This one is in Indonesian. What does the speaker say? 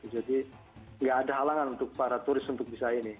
jadi nggak ada halangan untuk para turis untuk bisa ini